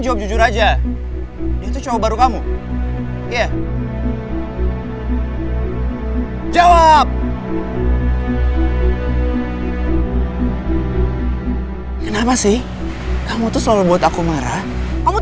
jawab jujur aja itu cuma baru kamu ya jawab kenapa sih kamu tuh selalu buat aku marah aku